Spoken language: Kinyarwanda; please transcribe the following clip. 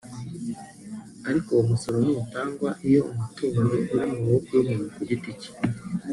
ariko uwo musoro ntutangwa iyo umutungo uri mu maboko y’umuntu ku giti cye